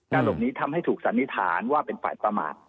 หลบนี้ทำให้ถูกสันนิษฐานว่าเป็นฝ่ายประมาท